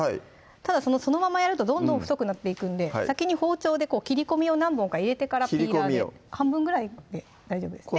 ただそのままやるとどんどん太くなっていくんで先に包丁で切り込みを何本か入れてからピーラーで半分ぐらいで大丈夫ですね